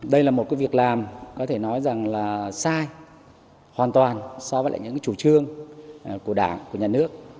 đây là một việc làm có thể nói rằng là sai hoàn toàn so với lại những chủ trương của đảng của nhà nước